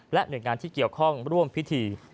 และเหนือกงานที่เกี่ยวข้องร่วมพิธี